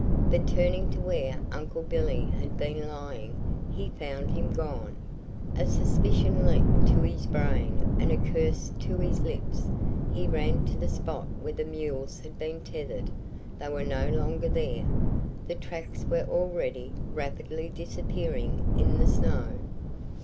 But turning to where Uncle Billy had been lying, he found him gone. A suspicion leaped to his brain and a curse to his lips. He ran to the spot where the mules had been tethered; they were no longer there. The tracks were already rapidly disappearing in the snow.